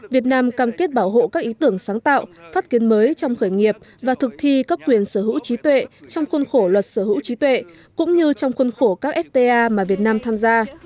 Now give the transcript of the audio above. việt nam cam kết bảo hộ các ý tưởng sáng tạo phát kiến mới trong khởi nghiệp và thực thi các quyền sở hữu trí tuệ trong khuôn khổ luật sở hữu trí tuệ cũng như trong khuôn khổ các fta mà việt nam tham gia